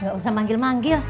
nggak usah manggil manggil